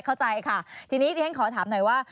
เข้าใจค่ะทีนี้ที่ฉันขอถามหน่อยว่า